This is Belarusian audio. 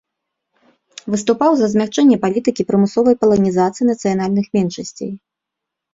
Выступаў за змякчэнне палітыкі прымусовай паланізацыі нацыянальных меншасцей.